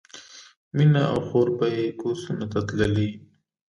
مینه او خور به یې کورسونو ته تللې